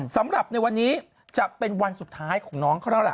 สำหรับในวันนี้จะเป็นวันสุดท้ายของน้องเขาแล้วล่ะ